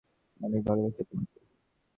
অনেক ভালোবাসি তোমাকে।